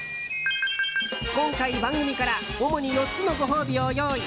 今回、番組から主に４つのご褒美を用意。